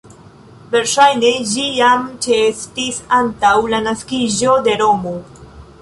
Verŝajne ĝi jam ĉeestis antaŭ la naskiĝo de Romo.